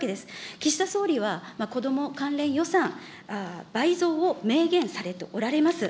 岸田総理は、子ども関連予算倍増を明言されておられます。